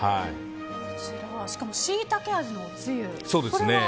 しかも、しいたけ味のつゆ。